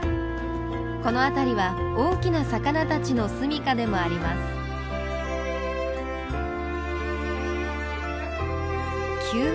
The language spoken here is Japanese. この辺りは大きな魚たちの住みかでもあります。